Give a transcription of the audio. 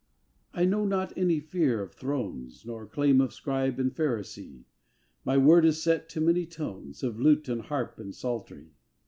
I know not any fear of thrones, No claim of Scribe and Pharisee; My word is set to many tones Of lute and harp and psaltery.